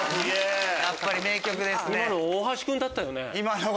やっぱり名曲ですね。